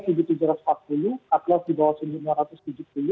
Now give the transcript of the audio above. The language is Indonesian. card loss di bawah seribu lima ratus tujuh puluh